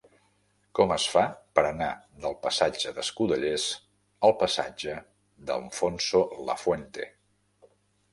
Com es fa per anar del passatge d'Escudellers al passatge d'Alfonso Lafuente?